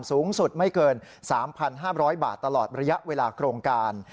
สูงสุดไม่เกิน๓๕๐๐บาทตลอดระยะเวลาโครงการ